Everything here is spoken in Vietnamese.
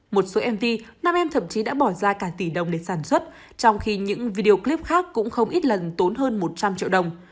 một số mv năm em thậm chí đã bỏ ra cả tỷ đồng để sản xuất trong khi những video clip khác cũng không ít lần tốn hơn một trăm linh triệu đồng